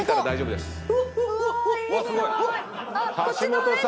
⁉大丈夫です。